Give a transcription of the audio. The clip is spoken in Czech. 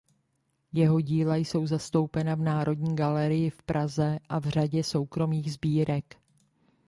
Jeho díla jsou zastoupena v Národní galerii v Praze a v řadě soukromých sbírek.